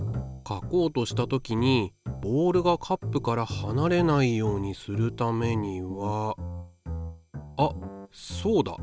書こうとした時にボールがカップからはなれないようにするためにはあっそうだ。